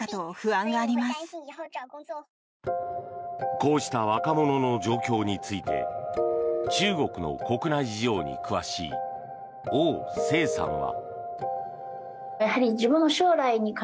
こうした若者の状況について中国の国内事情に詳しいオウ・セイさんは。